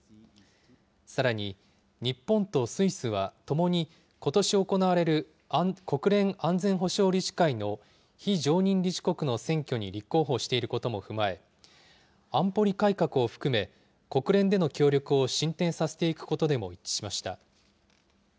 さらに、日本とスイスは、ともにことし行われる国連安全保障理事会の非常任理事国の選挙に立候補していることも踏まえ、安保理改革を含め、国連での協力を進展させていくことでも一致しました。